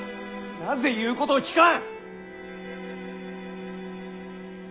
なぜ言うことを聞かん！